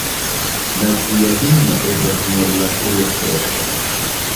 Nacia himno estas nur la tria strofo.